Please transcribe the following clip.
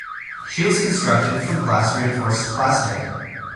She is constructed from glass-reinforced plastic.